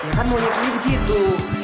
ya kan monyetnya begitu